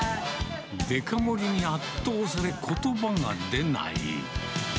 デカ盛りに圧倒され、ことばが出ない。